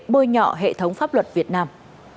bôi nhọ hệ thống pháp luật việt nam